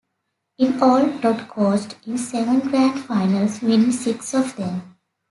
In all, Todd coached in seven Grand Finals, winning six of them.